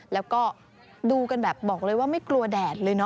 แล้วก็ดูกันแบบบอกเลยว่าไม่กลัวแดดเลยเนอ